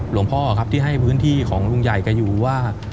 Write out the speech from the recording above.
หลวงพ่อครับที่ให้พื้นที่ของลุงใหญ่แกอยู่ว่า